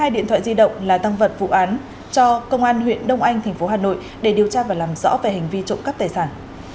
bốn mươi hai điện thoại di động là tăng vật vụ án cho công an huyện đông anh thành phố hà nội để điều tra và làm rõ về hành vi trộm cắp tài sản